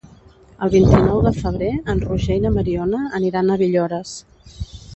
El vint-i-nou de febrer en Roger i na Mariona aniran a Villores.